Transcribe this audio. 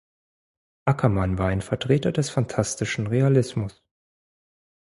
Ackermann war ein Vertreter des Phantastischen Realismus.